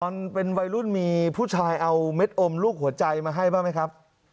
ตอนเป็นวัยรุ่นมีผู้ชายเอาเม็ดอมลูกหัวใจมาให้บ้างไหมครับ